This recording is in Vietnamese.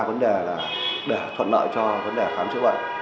vấn đề là để thuận lợi cho vấn đề khám chữa bệnh